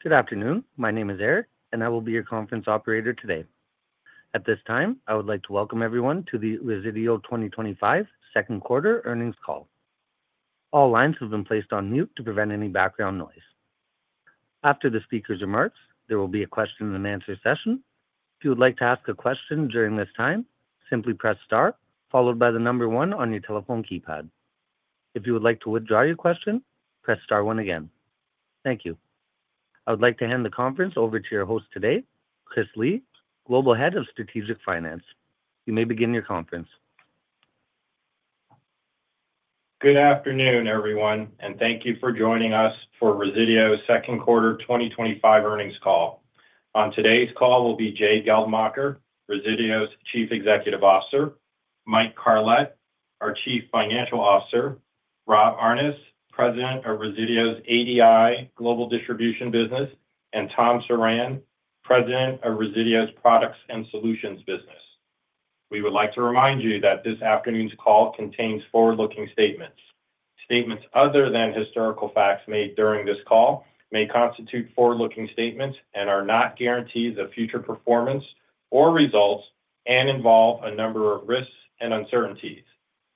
Good afternoon. My name is Eric, and I will be your conference operator today. At this time, I would like to welcome everyone to the Resideo 2025 second quarter earnings call. All lines have been placed on mute to prevent any background noise. After the speaker's remarks, there will be a question and answer session. If you would like to ask a question during this time, simply press star, followed by the number one on your telephone keypad. If you would like to withdraw your question, press star one again. Thank you. I would like to hand the conference over to your host today, Christopher Lee, Global Head of Strategic Finance. You may begin your conference. Good afternoon, everyone, and thank you for joining us for Resideo's second quarter 2025 earnings call. On today's call will be Jay Geldmacher, Resideo's Chief Executive Officer, Michael Carlet, our Chief Financial Officer, Rob Aarnes, President of Resideo's ADI Global Distribution business, and Thomas Surran, President of Resideo's Products and Solutions business. We would like to remind you that this afternoon's call contains forward-looking statements. Statements other than historical facts made during this call may constitute forward-looking statements and are not guarantees of future performance or results and involve a number of risks and uncertainties.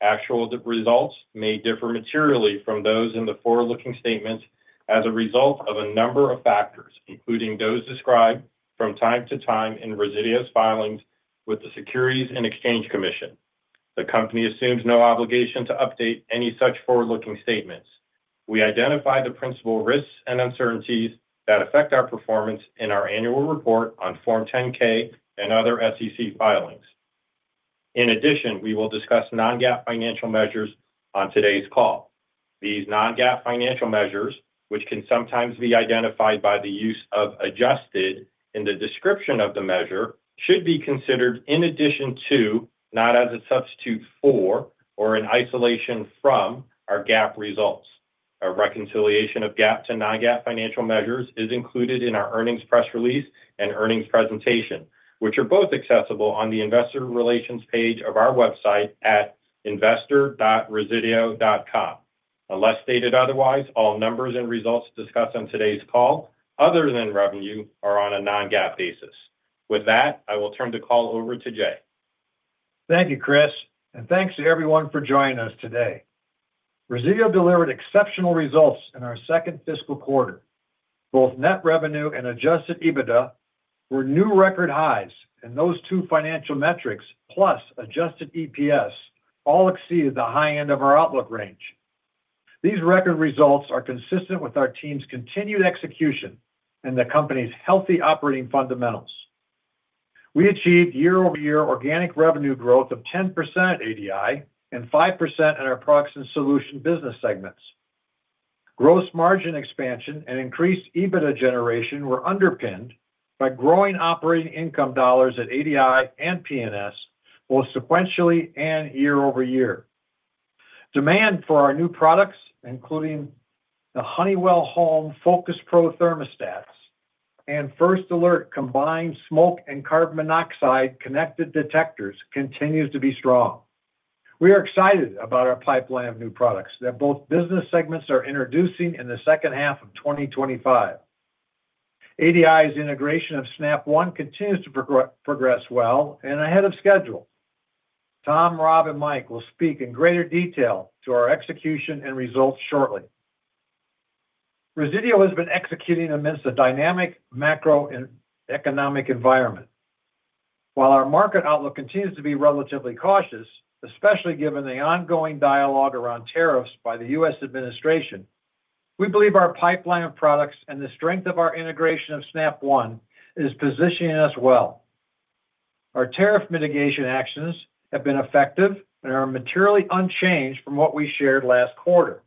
Actual results may differ materially from those in the forward-looking statements as a result of a number of factors, including those described from time to time in Resideo's filings with the Securities and Exchange Commission. The company assumes no obligation to update any such forward-looking statements. We identify the principal risks and uncertainties that affect our performance in our annual report on Form 10-K and other SEC filings. In addition, we will discuss non-GAAP financial measures on today's call. These non-GAAP financial measures, which can sometimes be identified by the use of "adjusted" in the description of the measure, should be considered in addition to, not as a substitute for, or in isolation from our GAAP results. A reconciliation of GAAP to non-GAAP financial measures is included in our earnings press release and earnings presentation, which are both accessible on the Investor Relations page of our website at investor.resideo.com. Unless stated otherwise, all numbers and results discussed on today's call, other than revenue, are on a non-GAAP basis. With that, I will turn the call over to Jay. Thank you, Chris, and thanks to everyone for joining us today. Resideo delivered exceptional results in our second fiscal quarter. Both net revenue and adjusted EBITDA were new record highs, and those two financial metrics, plus adjusted EPS, all exceeded the high end of our outlook range. These record results are consistent with our team's continued execution and the company's healthy operating fundamentals. We achieved year-over-year organic revenue growth of 10% at ADI and 5% at our Products and Solutions business segments. Gross margin expansion and increased EBITDA generation were underpinned by growing operating income dollars at ADI and P&S, both sequentially and year-over-year. Demand for our new products, including the Honeywell Home Focus Pro thermostats and First Alert combined smoke and carbon monoxide connected detectors, continues to be strong. We are excited about our pipeline of new products that both business segments are introducing in the second half of 2025. ADI's integration of SNAP One continues to progress well and ahead of schedule. Tom, Rob, and Mike will speak in greater detail to our execution and results shortly. Resideo has been executing amidst a dynamic macroeconomic environment. While our market outlook continues to be relatively cautious, especially given the ongoing dialogue around tariffs by the U.S. administration, we believe our pipeline of products and the strength of our integration of SNAP One is positioning us well. Our tariff mitigation actions have been effective and are materially unchanged from what we shared last quarter.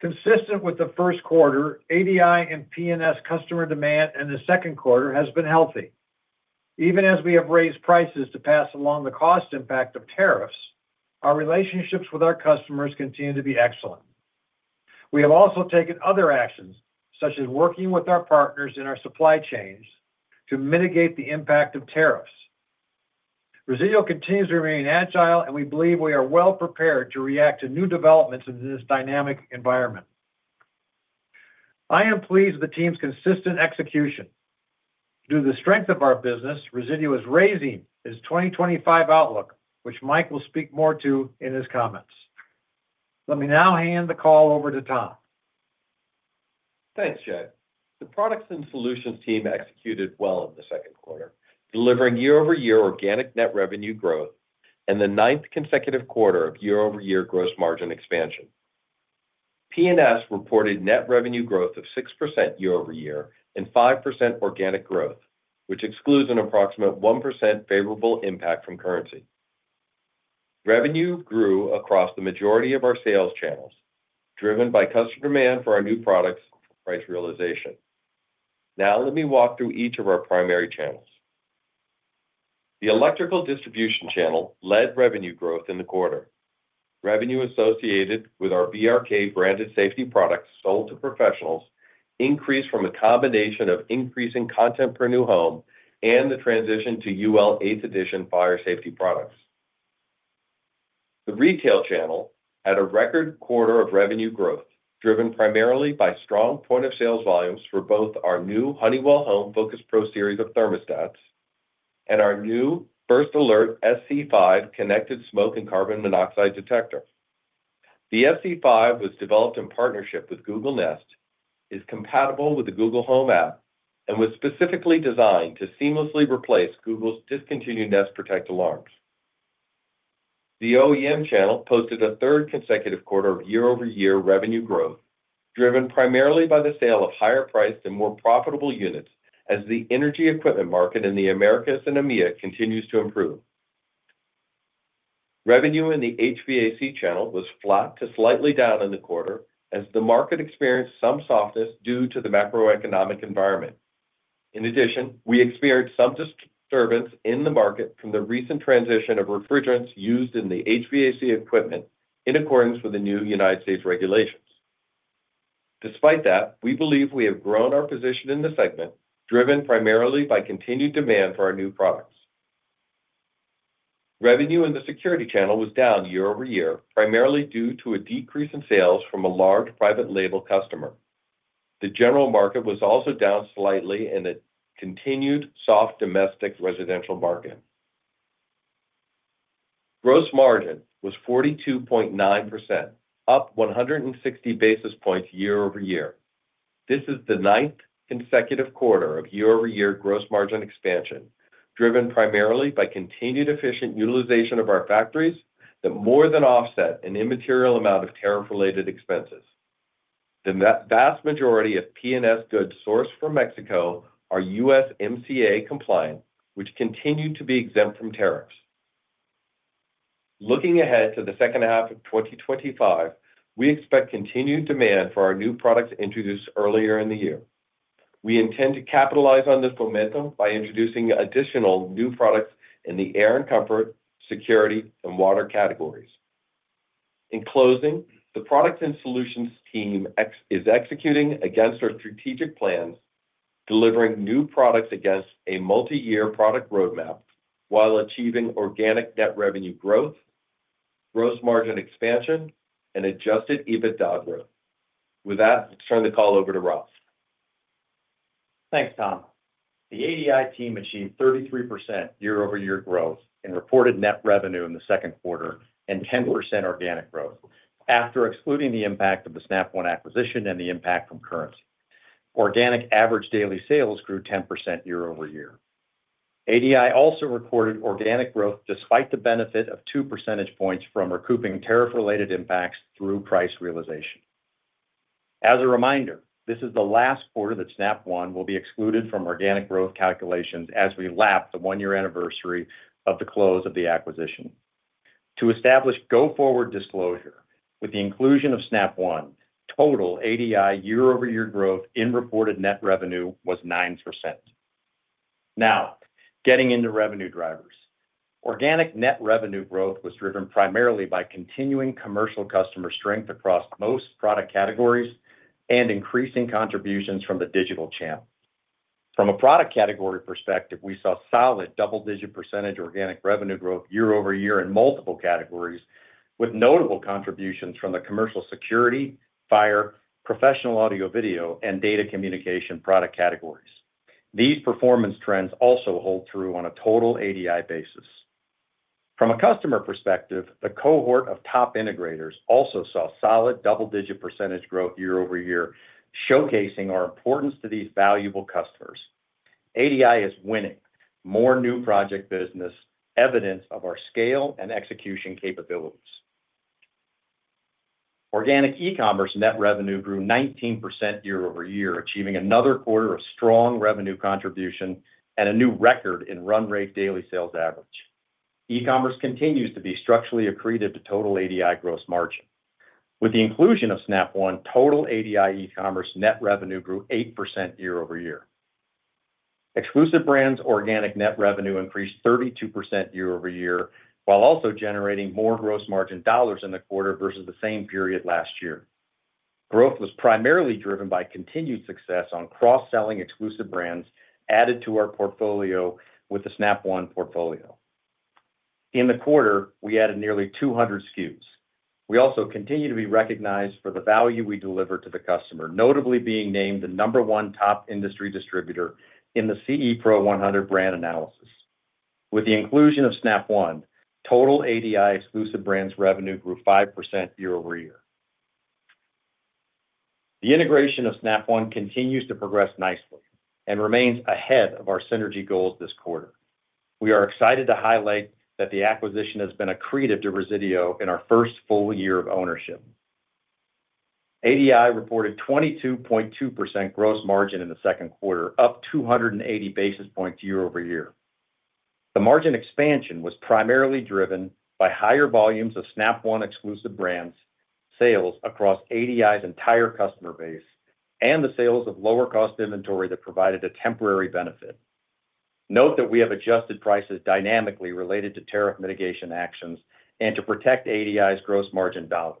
Consistent with the first quarter, ADI and P&S customer demand in the second quarter has been healthy. Even as we have raised prices to pass along the cost impact of tariffs, our relationships with our customers continue to be excellent. We have also taken other actions, such as working with our partners in our supply chains, to mitigate the impact of tariffs. Resideo continues to remain agile, and we believe we are well prepared to react to new developments in this dynamic environment. I am pleased with the team's consistent execution. Due to the strength of our business, Resideo is raising its 2025 outlook, which Mike will speak more to in his comments. Let me now hand the call over to Tom. Thanks, Jay. The Products and Solutions team executed well in the second quarter, delivering year-over-year organic net revenue growth and the ninth consecutive quarter of year-over-year gross margin expansion. P&S reported net revenue growth of 6% year-over-year and 5% organic growth, which excludes an approximate 1% favorable impact from currency. Revenue grew across the majority of our sales channels, driven by customer demand for our new products and price realization. Now, let me walk through each of our primary channels. The electrical distribution channel led revenue growth in the quarter. Revenue associated with our BRK branded safety products sold to professionals increased from a combination of increasing content per new home and the transition to UL 8th Edition fire safety products. The retail channel had a record quarter of revenue growth, driven primarily by strong point-of-sales volumes for both our new Honeywell Home Focus Pro series of thermostats and our new First Alert SC5 connected smoke and carbon monoxide detector. The SC5 was developed in partnership with Google Nest, is compatible with the Google Home app, and was specifically designed to seamlessly replace Google's discontinued Nest Protect alarms. The OEM channel posted a third consecutive quarter of year-over-year revenue growth, driven primarily by the sale of higher-priced and more profitable units as the energy equipment market in the Americas and EMEA continues to improve. Revenue in the HVAC channel was flat to slightly down in the quarter as the market experienced some softness due to the macroeconomic environment. In addition, we experienced some disturbance in the market from the recent transition of refrigerants used in the HVAC equipment in accordance with the new United States regulations. Despite that, we believe we have grown our position in the segment, driven primarily by continued demand for our new products. Revenue in the security channel was down year-over-year, primarily due to a decrease in sales from a large private label customer. The general market was also down slightly in the continued soft domestic residential market. Gross margin was 42.9%, up 160 basis points year-over-year. This is the ninth consecutive quarter of year-over-year gross margin expansion, driven primarily by continued efficient utilization of our factories that more than offset an immaterial amount of tariff-related expenses. The vast majority of P&S goods sourced from Mexico are USMCA compliant, which continue to be exempt from tariffs. Looking ahead to the second half of 2025, we expect continued demand for our new products introduced earlier in the year. We intend to capitalize on this momentum by introducing additional new products in the air and comfort, security, and water categories. In closing, the Products and Solutions team is executing against our strategic plans, delivering new products against a multi-year product roadmap while achieving organic net revenue growth, gross margin expansion, and adjusted EBITDA growth. With that, I'll turn the call over to Rob. Thanks, Tom. The ADI team achieved 33% year-over-year growth and reported net revenue in the second quarter and 10% organic growth, after excluding the impact of the SNAP One acquisition and the impact from currency. Organic average daily sales grew 10% year-over-year. ADI also recorded organic growth despite the benefit of two percentage points from recouping tariff-related impacts through price realization. As a reminder, this is the last quarter that SNAP One will be excluded from organic growth calculations as we lapse the one-year anniversary of the close of the acquisition. To establish go-forward disclosure, with the inclusion of SNAP One, total ADI year-over-year growth in reported net revenue was 9%. Now, getting into revenue drivers. Organic net revenue growth was driven primarily by continuing commercial customer strength across most product categories and increasing contributions from the digital channel. From a product category perspective, we saw solid double-digit percentage organic revenue growth year-over-year in multiple categories, with notable contributions from the commercial security, fire, professional AV, and data communications product categories. These performance trends also hold true on a total ADI basis. From a customer perspective, a cohort of top integrators also saw solid double-digit percentage growth year-over-year, showcasing our importance to these valuable customers. ADI is winning more new project business, evidence of our scale and execution capabilities. Organic e-commerce net revenue grew 19% year-over-year, achieving another quarter of strong revenue contribution and a new record in run-rate daily sales average. E-commerce continues to be structurally accretive to total ADI gross margin. With the inclusion of SNAP One, total ADI e-commerce net revenue grew 8% year-over-year. Exclusive brands' organic net revenue increased 32% year-over-year, while also generating more gross margin dollars in the quarter versus the same period last year. Growth was primarily driven by continued success on cross-selling exclusive brands added to our portfolio with the SNAP One portfolio. In the quarter, we added nearly 200 SKUs. We also continue to be recognized for the value we deliver to the customer, notably being named the number one top industry distributor in the CEFRO 100 brand analysis. With the inclusion of SNAP One, total ADI exclusive brands' revenue grew 5% year-over-year. The integration of SNAP One continues to progress nicely and remains ahead of our synergy goals this quarter. We are excited to highlight that the acquisition has been accretive to Resideo in our first full year of ownership. ADI reported 22.2% gross margin in the second quarter, up 280 basis points year-over-year. The margin expansion was primarily driven by higher volumes of SNAP One exclusive brands' sales across ADI's entire customer base and the sales of lower-cost inventory that provided a temporary benefit. Note that we have adjusted prices dynamically related to tariff mitigation actions and to protect ADI's gross margin dollars.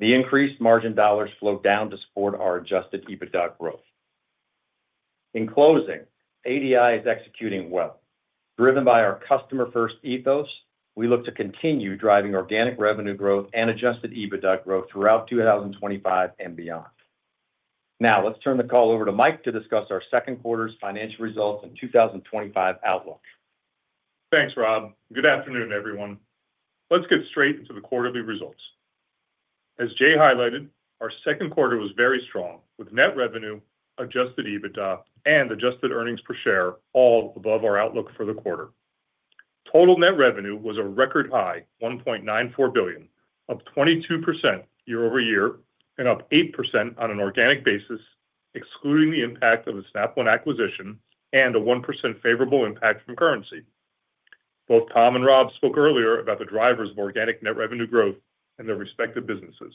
The increased margin dollars flowed down to support our adjusted EBITDA growth. In closing, ADI is executing well. Driven by our customer-first ethos, we look to continue driving organic revenue growth and adjusted EBITDA growth throughout 2025 and beyond. Now, let's turn the call over to Mike to discuss our second quarter's financial results and 2025 outlook. Thanks, Rob. Good afternoon, everyone. Let's get straight into the quarterly results. As Jay highlighted, our second quarter was very strong, with net revenue, adjusted EBITDA, and adjusted earnings per share all above our outlook for the quarter. Total net revenue was a record high, $1.94 billion, up 22% year-over-year and up 8% on an organic basis, excluding the impact of the SNAP One acquisition and a 1% favorable impact from currency. Both Tom and Rob spoke earlier about the drivers of organic net revenue growth and their respective businesses.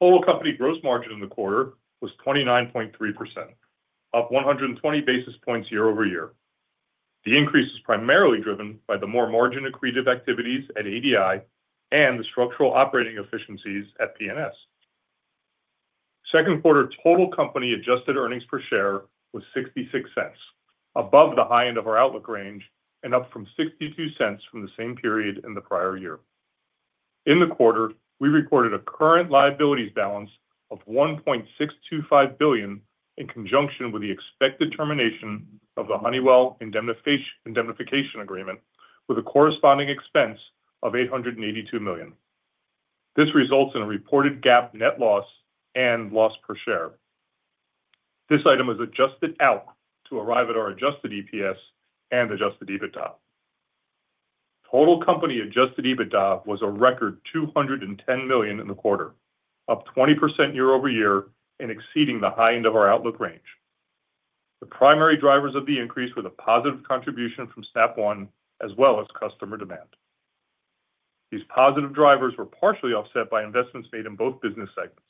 Total company gross margin in the quarter was 29.3%, up 120 basis points year-over-year. The increase is primarily driven by the more margin accretive activities at ADI and the structural operating efficiencies at P&S. Second quarter total company adjusted earnings per share was $0.66, above the high end of our outlook range and up from $0.62 from the same period in the prior year. In the quarter, we reported a current liabilities balance of $1.625 billion in conjunction with the expected termination of the Honeywell indemnification and reimbursement agreement, with a corresponding expense of $882 million. This results in a reported GAAP net loss and loss per share. This item was adjusted out to arrive at our adjusted EPS and adjusted EBITDA. Total company adjusted EBITDA was a record $210 million in the quarter, up 20% year-over-year and exceeding the high end of our outlook range. The primary drivers of the increase were the positive contribution from SNAP One as well as customer demand. These positive drivers were partially offset by investments made in both business segments.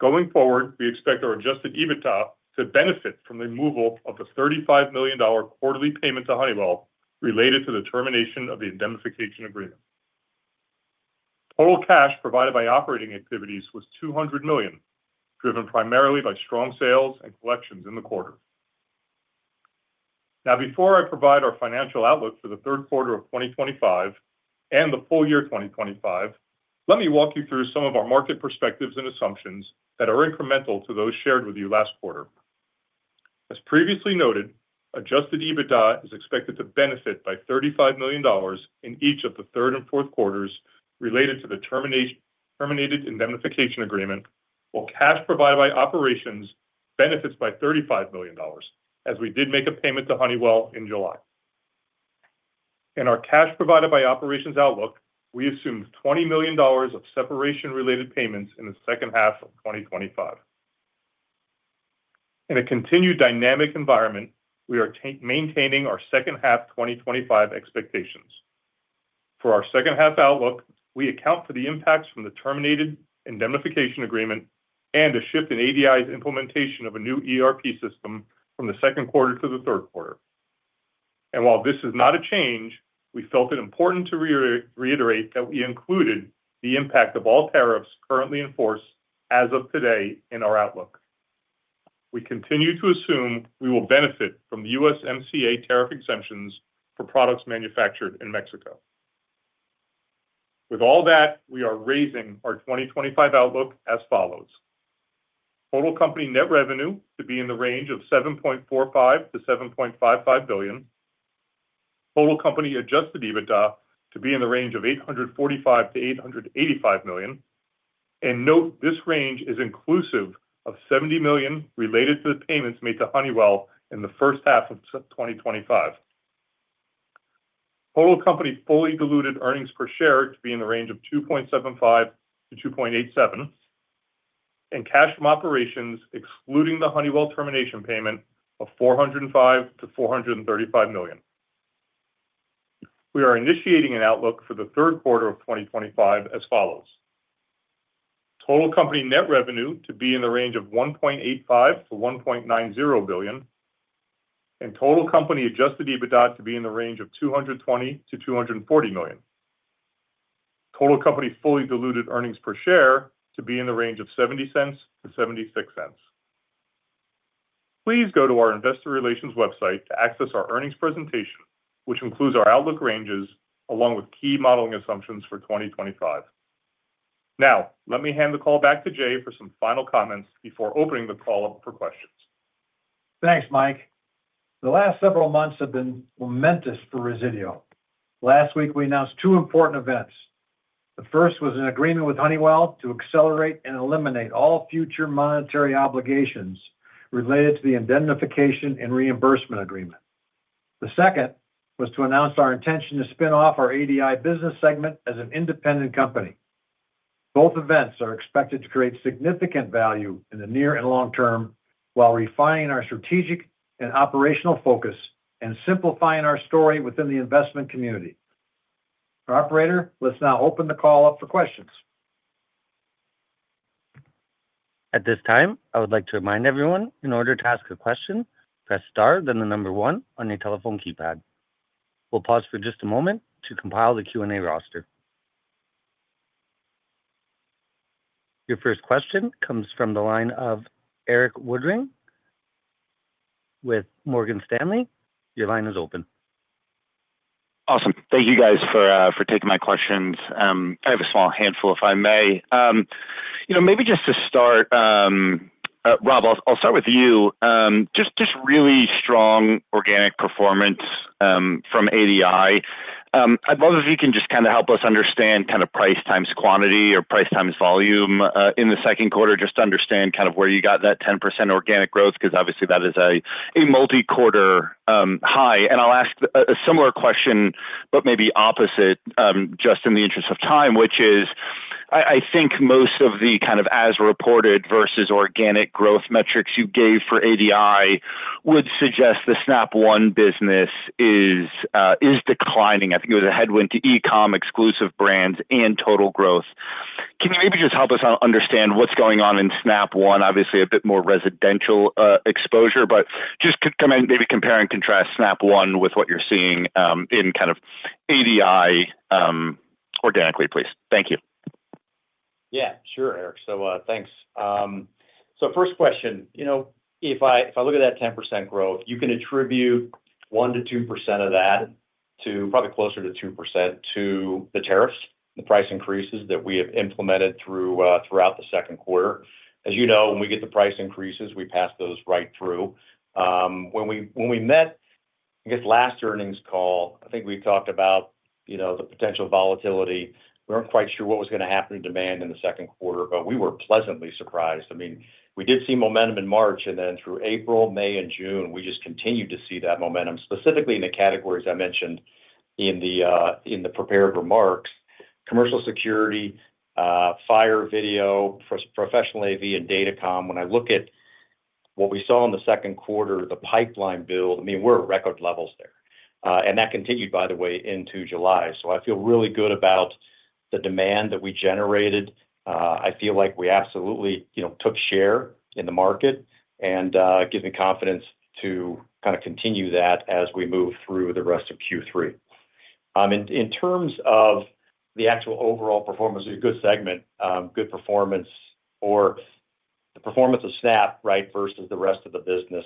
Going forward, we expect our adjusted EBITDA to benefit from the removal of the $35 million quarterly payment to Honeywell related to the termination of the indemnification and reimbursement agreement. Total cash provided by operating activities was $200 million, driven primarily by strong sales and collections in the quarter. Now, before I provide our financial outlook for the third quarter of 2025 and the full year 2025, let me walk you through some of our market perspectives and assumptions that are incremental to those shared with you last quarter. As previously noted, adjusted EBITDA is expected to benefit by $35 million in each of the third and fourth quarters related to the terminated indemnification and reimbursement agreement, while cash provided by operations benefits by $35 million, as we did make a payment to Honeywell in July. In our cash provided by operations outlook, we assumed $20 million of separation-related payments in the second half of 2025. In a continued dynamic environment, we are maintaining our second half 2025 expectations. For our second half outlook, we account for the impacts from the terminated indemnification and reimbursement agreement and a shift in ADI's implementation of a new ERP system from the second quarter to the third quarter. While this is not a change, we felt it important to reiterate that we included the impact of all tariffs currently enforced as of today in our outlook. We continue to assume we will benefit from the USMCA tariff exemptions for products manufactured in Mexico. With all that, we are raising our 2025 outlook as follows: total company net revenue to be in the range of $7.45 to $7.55 billion, total company adjusted EBITDA to be in the range of $845 million-$885 million, and note this range is inclusive of $70 million related to the payments made to Honeywell in the first half of 2025. Total company fully diluted earnings per share to be in the range of $2.75 to $2.87, and cash from operations, excluding the Honeywell termination payment, of $405 million-$435 million. We are initiating an outlook for the third quarter of 2025 as follows: total company net revenue to be in the range of $1.85 billion-$1.90 billion, and total company adjusted EBITDA to be in the range of $220 million-$240 million. Total company fully diluted earnings per share to be in the range of $0.70-$0.76. Please go to our Investor Relations website to access our earnings presentation, which includes our outlook ranges along with key modeling assumptions for 2025. Now, let me hand the call back to Jay for some final comments before opening the call up for questions. Thanks, Mike. The last several months have been momentous for Resideo. Last week, we announced two important events. The first was an agreement with Honeywell to accelerate and eliminate all future monetary obligations related to the indemnification and reimbursement agreement. The second was to announce our intention to spin off our ADI business segment as an independent company. Both events are expected to create significant value in the near and long term while refining our strategic and operational focus and simplifying our story within the investment community. Our operator, let's now open the call up for questions. At this time, I would like to remind everyone, in order to ask a question, press star then the number one on your telephone keypad. We'll pause for just a moment to compile the Q&A roster. Your first question comes from the line of Erik Woodring with Morgan Stanley. Your line is open. Awesome. Thank you guys for taking my questions. I have a small handful, if I may. Maybe just to start, Rob, I'll start with you. Just really strong organic performance from ADI. I'd love if you can just kind of help us understand kind of price times quantity or price times volume in the second quarter, just to understand kind of where you got that 10% organic growth, because obviously that is a multi-quarter high. I'll ask a similar question, but maybe opposite, just in the interest of time, which is, I think most of the kind of as-reported versus organic growth metrics you gave for ADI would suggest the SNAP One business is declining. I think it was a headwind to e-commerce exclusive brands and total growth. Can you maybe just help us understand what's going on in SNAP One? Obviously, a bit more residential exposure, but just maybe compare and contrast SNAP One with what you're seeing in kind of ADI organically, please. Thank you. Yeah, sure, Erik. Thanks. First question, if I look at that 10% growth, you can attribute 1%-2% of that, probably closer to 2%, to the tariffs, the price increases that we have implemented throughout the second quarter. As you know, when we get the price increases, we pass those right through. When we met last earnings call, I think we talked about the potential volatility. We weren't quite sure what was going to happen to demand in the second quarter, but we were pleasantly surprised. I mean, we did see momentum in March, and then through April, May, and June, we just continued to see that momentum, specifically in the categories I mentioned in the prepared remarks: commercial security, fire, video, professional AV, and data communications. When I look at what we saw in the second quarter, the pipeline build, we're at record levels there. That continued, by the way, into July. I feel really good about the demand that we generated. I feel like we absolutely took share in the market and it gives me confidence to continue that as we move through the rest of Q3. In terms of the actual overall performance, it was a good segment, good performance, or the performance of SNAP One, right, versus the rest of the business.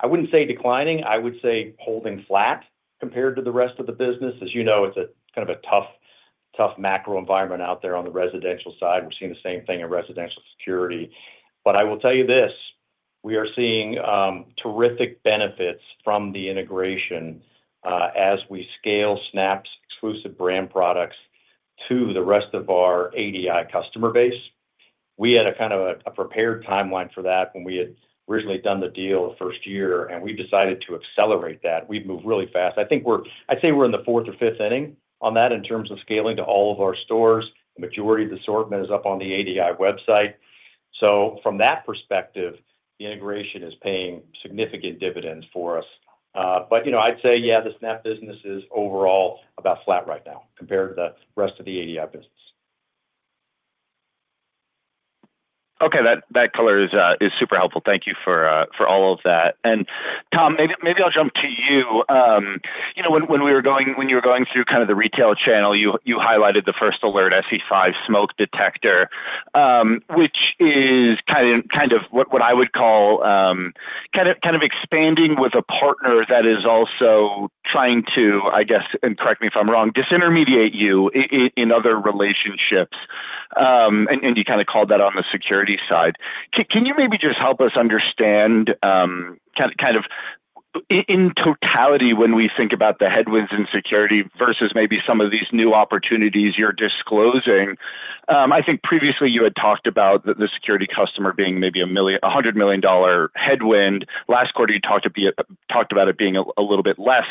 I wouldn't say declining. I would say holding flat compared to the rest of the business. As you know, it's a tough macro environment out there on the residential side. We're seeing the same thing in residential security. I will tell you this, we are seeing terrific benefits from the integration as we scale SNAP One's exclusive brand products to the rest of our ADI customer base. We had a prepared timeline for that when we had originally done the deal the first year, and we've decided to accelerate that. We've moved really fast. I think we're, I'd say we're in the fourth or fifth inning on that in terms of scaling to all of our stores. The majority of the assortment is up on the ADI website. From that perspective, the integration is paying significant dividends for us. I'd say, yeah, the SNAP One business is overall about flat right now compared to the rest of the ADI business. Okay, that color is super helpful. Thank you for all of that. Tom, maybe I'll jump to you. You know, when you were going through kind of the retail channel, you highlighted the First Alert SC5 connected smoke and carbon monoxide detector, which is kind of what I would call kind of expanding with a partner that is also trying to, I guess, and correct me if I'm wrong, disintermediate you in other relationships. You kind of called that on the security side. Can you maybe just help us understand kind of in totality, when we think about the headwinds in security versus maybe some of these new opportunities you're disclosing? I think previously you had talked about the security customer being maybe a $100 million headwind. Last quarter, you talked about it being a little bit less.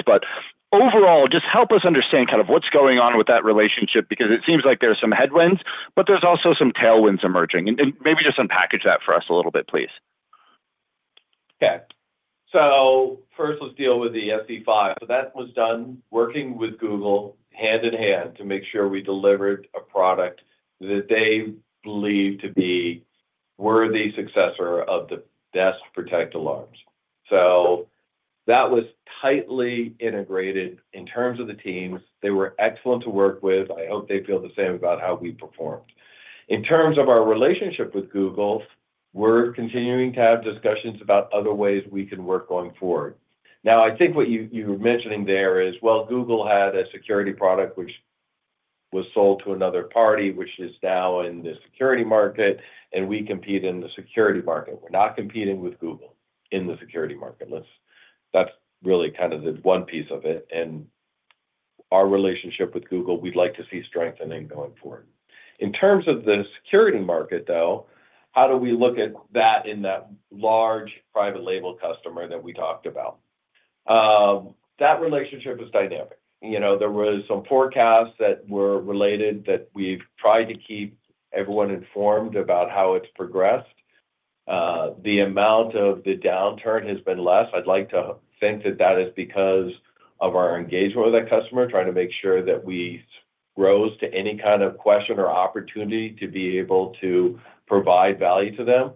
Overall, just help us understand kind of what's going on with that relationship because it seems like there's some headwinds, but there's also some tailwinds emerging. Maybe just unpackage that for us a little bit, please. Okay. First, let's deal with the SC5. That was done working with Google hand in hand to make sure we delivered a product that they believe to be a worthy successor of the best protect alarms. That was tightly integrated. In terms of the teams, they were excellent to work with. I hope they feel the same about how we performed. In terms of our relationship with Google, we're continuing to have discussions about other ways we can work going forward. I think what you're mentioning there is, Google had a security product which was sold to another party, which is now in the security market, and we compete in the security market. We're not competing with Google in the security market. That's really kind of the one piece of it. Our relationship with Google, we'd like to see strengthening going forward. In terms of the security market, how do we look at that in that large private label customer that we talked about? That relationship is dynamic. There were some forecasts that were related that we've tried to keep everyone informed about how it's progressed. The amount of the downturn has been less. I'd like to think that is because of our engagement with that customer, trying to make sure that we rose to any kind of question or opportunity to be able to provide value to them.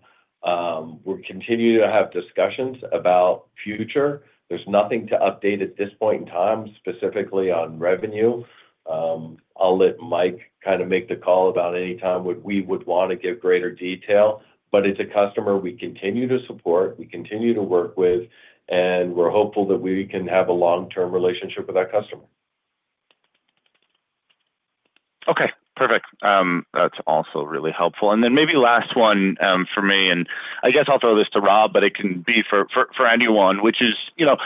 We'll continue to have discussions about the future. There's nothing to update at this point in time, specifically on revenue. I'll let Mike kind of make the call about any time we would want to give greater detail. It's a customer we continue to support, we continue to work with, and we're hopeful that we can have a long-term relationship with that customer. Okay, perfect. That's also really helpful. Maybe last one for me, and I guess I'll throw this to Rob, but it can be for anyone, which is, you know,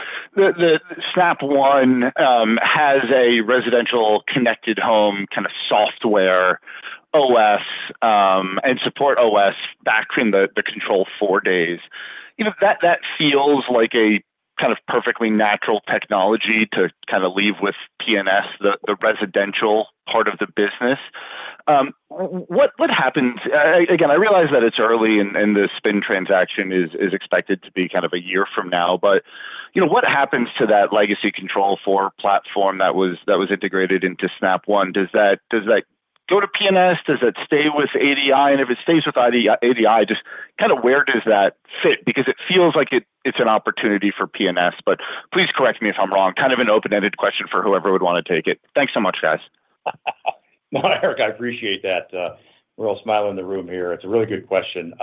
SNAP One has a residential connected home kind of software OS and support OS back from the Control4 days. That feels like a kind of perfectly natural technology to leave with P&S, the residential part of the business. What happens? I realize that it's early and the spin transaction is expected to be a year from now, but what happens to that legacy Control4 platform that was integrated into SNAP One? Does that go to P&S? Does that stay with ADI? If it stays with ADI, just where does that fit? It feels like it's an opportunity for P&S, but please correct me if I'm wrong. Kind of an open-ended question for whoever would want to take it. Thanks so much, guys. No, Erik, I appreciate that. We're all smiling in the room here. It's a really good question.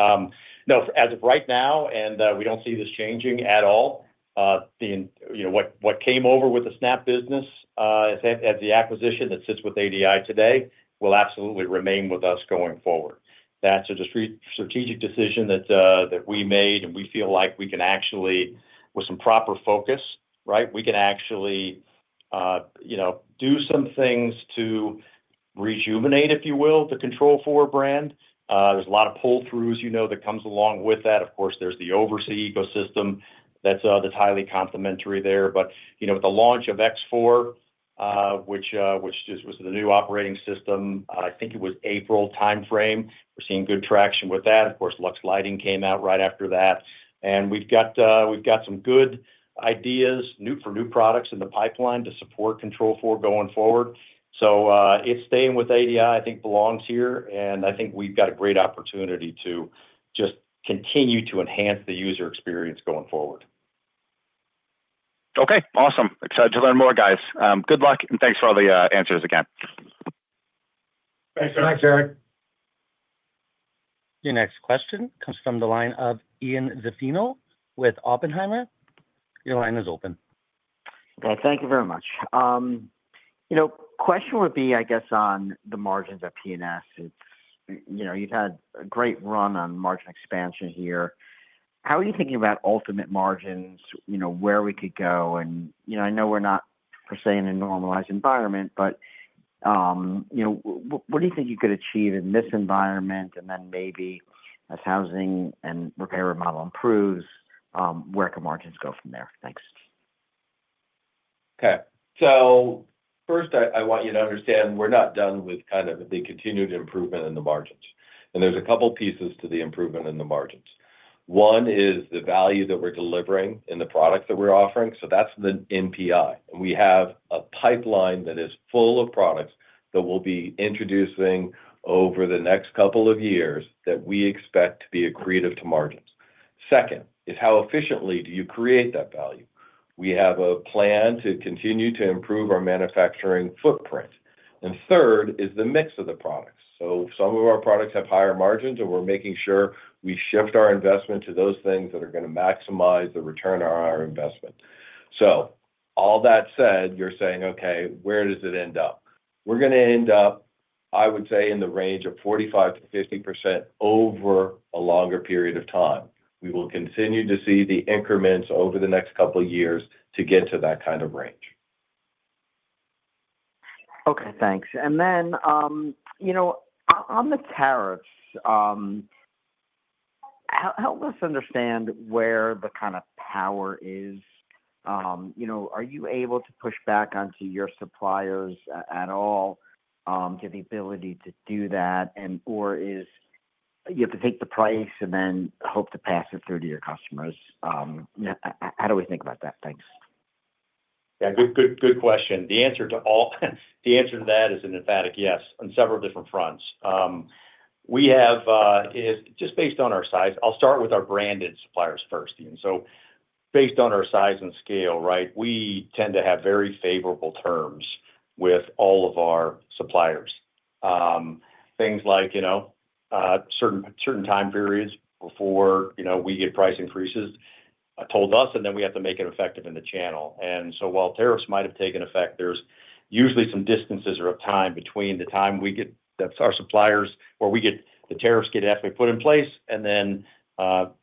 No, as of right now, and we don't see this changing at all, what came over with the SNAP One business as the acquisition that sits with ADI today will absolutely remain with us going forward. That's a strategic decision that we made, and we feel like we can actually, with some proper focus, we can actually do some things to rejuvenate, if you will, the Control4 brand. There's a lot of pull-throughs that come along with that. Of course, there's the overseas ecosystem that's highly complementary there. With the launch of X4, which just was the new operating system, I think it was April timeframe, we're seeing good traction with that. Of course, Luxe by Control4 lighting came out right after that. We've got some good ideas for new products in the pipeline to support Control4 going forward. It's staying with ADI, I think, belongs here, and I think we've got a great opportunity to just continue to enhance the user experience going forward. Okay, awesome. Excited to learn more, guys. Good luck, and thanks for all the answers again. Thanks, Eric. Your next question comes from the line of Ian Zaffino with Oppenheimer. Your line is open. Thank you very much. You know, question would be, I guess, on the margins of P&S. You've had a great run on margin expansion here. How are you thinking about ultimate margins, you know, where we could go? I know we're not per se in a normalized environment, but, you know, what do you think you could achieve in this environment? Maybe as housing and repair and remodel improves, where could margins go from there? Thanks. Okay. First, I want you to understand we're not done with kind of the continued improvement in the margins. There's a couple of pieces to the improvement in the margins. One is the value that we're delivering in the products that we're offering. That's the NPI. We have a pipeline that is full of products that we'll be introducing over the next couple of years that we expect to be accretive to margins. Second is how efficiently do you create that value? We have a plan to continue to improve our manufacturing footprint. Third is the mix of the products. Some of our products have higher margins, and we're making sure we shift our investment to those things that are going to maximize the return on our investment. All that said, you're saying, okay, where does it end up? We're going to end up, I would say, in the range of 45%-50% over a longer period of time. We will continue to see the increments over the next couple of years to get to that kind of range. Okay, thanks. On the tariffs, help us understand where the kind of power is. Are you able to push back onto your suppliers at all to the ability to do that, or do you have to take the price and then hope to pass it through to your customers? How do we think about that? Thanks. Yeah, good question. The answer to that is an emphatic yes on several different fronts. We have, just based on our size, I'll start with our branded suppliers first, Ian. Based on our size and scale, we tend to have very favorable terms with all of our suppliers. Things like certain time periods before we get price increases told to us, and then we have to make it effective in the channel. While tariffs might have taken effect, there's usually some distance or a time between the time we get that from our suppliers where the tariffs actually get put in place and then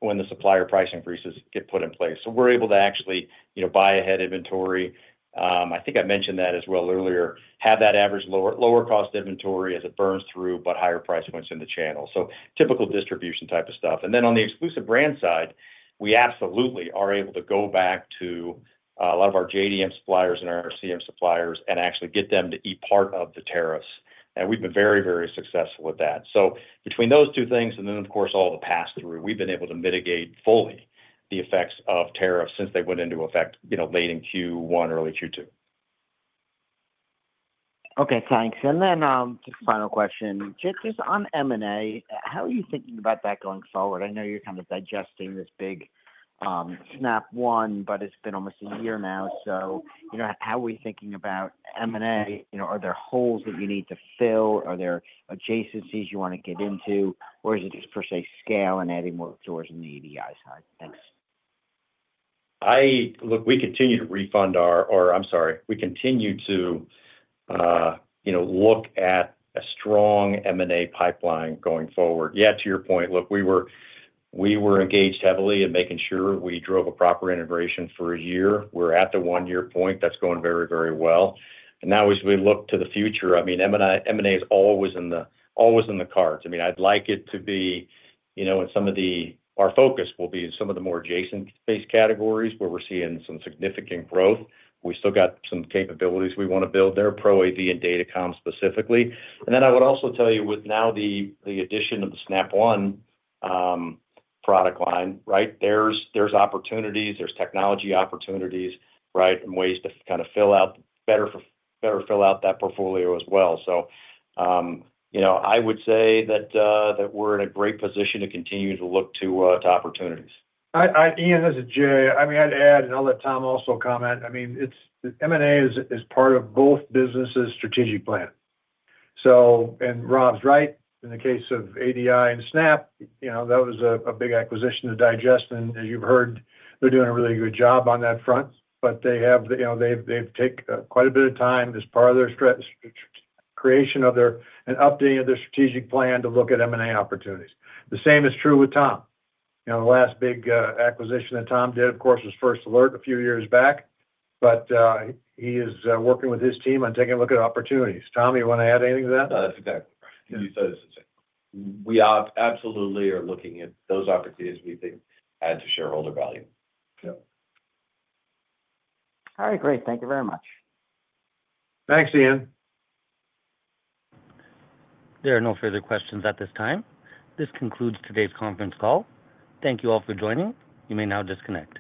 when the supplier pricing increases get put in place. We're able to actually buy ahead inventory. I think I mentioned that as well earlier, have that average lower cost inventory as it burns through, but higher pricing when it's in the channel. Typical distribution type of stuff. On the exclusive brand side, we absolutely are able to go back to a lot of our JDM suppliers and our RCM suppliers and actually get them to eat part of the tariffs. We've been very, very successful with that. Between those two things, and of course all the pass-through, we've been able to mitigate fully the effects of tariffs since they went into effect, late in Q1, early Q2. Okay, thanks. Just a final question. Just on M&A, how are you thinking about that going forward? I know you're kind of digesting this big SNAP One, but it's been almost a year now. You know, how are we thinking about M&A? You know, are there holes that you need to fill? Are there adjacencies you want to get into? Is it just per se scale and adding more doors on the ADI side? Thanks. Look, we continue to look at a strong M&A pipeline going forward. To your point, we were engaged heavily in making sure we drove a proper integration for a year. We're at the one-year point. That's going very, very well. Now as we look to the future, M&A is always in the cards. I'd like it to be in some of the, our focus will be in some of the more adjacent-based categories where we're seeing some significant growth. We still got some capabilities we want to build there, pro-AV and data comms specifically. I would also tell you with now the addition of the SNAP One product line, there's opportunities, there's technology opportunities, and ways to kind of better fill out that portfolio as well. I would say that we're in a great position to continue to look to opportunities. Ian, this is Jerry. I'd add, and I'll let Tom also comment. M&A is part of both businesses' strategic plan. Rob's right, in the case of ADI and SNAP, that was a big acquisition to digest. As you've heard, they're doing a really good job on that front. They have taken quite a bit of time as part of their creation of their and updating of their strategic plan to look at M&A opportunities. The same is true with Tom. The last big acquisition that Tom did, of course, was First Alert a few years back. He is working with his team on taking a look at opportunities. Tom, you want to add anything to that? No, that's okay. We absolutely are looking at those opportunities we think add to shareholder value. Yeah. All right, great. Thank you very much. Thanks, Ian. There are no further questions at this time. This concludes today's conference call. Thank you all for joining. You may now disconnect.